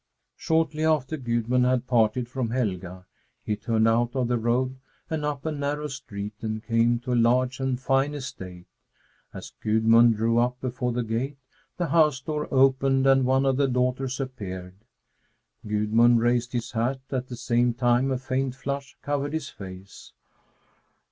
Shortly after Gudmund had parted from Helga, he turned out of the road and up a narrow street, and came to a large and fine estate. As Gudmund drew up before the gate, the house door opened and one of the daughters appeared. Gudmund raised his hat; at the same time a faint flush covered his face.